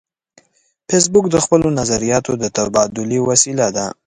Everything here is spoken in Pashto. فېسبوک د خپلو نظریاتو د تبادلې وسیله ده